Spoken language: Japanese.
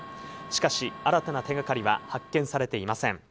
しかし、新たな手がかりは発見されていません。